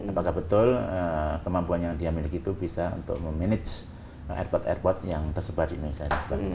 apakah betul kemampuan yang dia miliki itu bisa untuk memanage airport airport yang tersebar di indonesia dan sebagainya